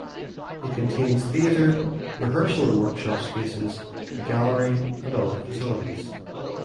It contains theatre, rehearsal and workshop spaces, a gallery and other facilities.